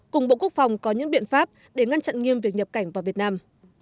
cùng bộ quốc phòng có những biện pháp để ngăn chặn nghiêm việc nhập cảnh vào việt nam